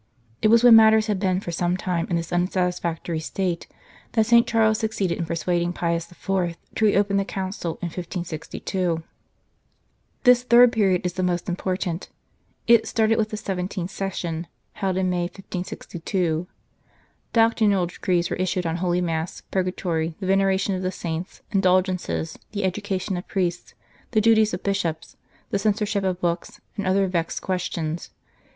It was when matters had been for some time in this unsatisfactory state that St. Charles succeeded in persuading Pius IV. to reopen the Council in 1562. This third period is the most important ; it started with the seventeenth session, held in May, 1562. Doctrinal decrees were issued on Holy Mass, purgatory, the veneration of the saints, indulgences, the education of priests, the duties of Bishops, the censorship of books, and other vexed questions.